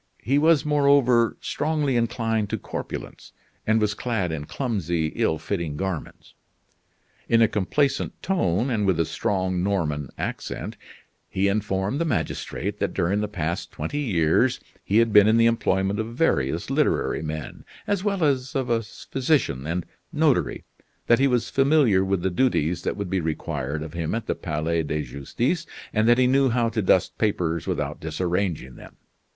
He was, moreover, strongly inclined to corpulence, and was clad in clumsy, ill fitting garments. In a complacent tone, and with a strong Norman accent, he informed the magistrate that during the past twenty years he had been in the employment of various literary men, as well as of a physician, and notary; that he was familiar with the duties that would be required of him at the Palais de Justice, and that he knew how to dust papers without disarranging them.